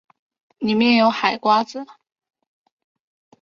里面有海瓜子